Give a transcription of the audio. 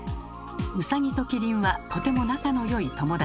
ウサギとキリンはとても仲のよい友達。